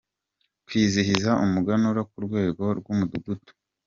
kwizihiza umuganura ku rwego rw’ umudugudu.